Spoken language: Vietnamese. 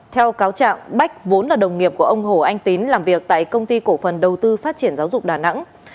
theo cáo trạng bách vốn là đồng nghiệp của ông hồ anh tín làm việc tại công ty cổ phần đầu tư phát triển giáo dục đà nẵng